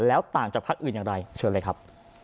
แล้วต่างจากพักอื่นอย่างไรเชิญเลยครับ